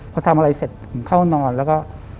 พอทำอะไรเสร็จผมเข้านอนแล้วก็